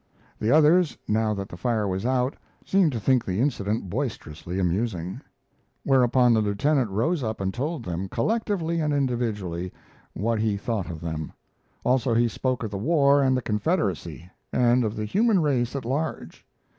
The others, now that the fire was, out, seemed to think the incident boisterously amusing. Whereupon the lieutenant rose up and told them, collectively and individually, what he thought of them; also he spoke of the war and the Confederacy, and of the human race at large.